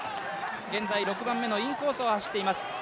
現在６番目のインコースを走っています。